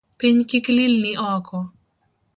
Piny kik lilni oko